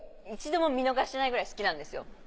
一度も見逃してないくらい好きなんですよ。